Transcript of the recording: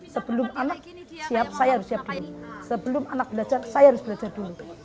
sebelum anak siap saya harus siap dulu sebelum anak belajar saya harus belajar dulu